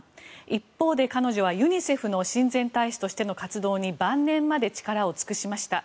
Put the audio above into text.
一方で彼女はユニセフの親善大使としての活動に晩年まで力を尽くしました。